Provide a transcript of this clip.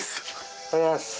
おはようございます。